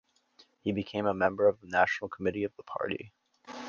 He became a member of the National Committee of the Party.